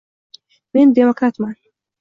Men demokratman.